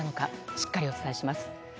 しっかりお伝えします。